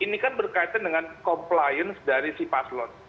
ini kan berkaitan dengan compliance dari si paslon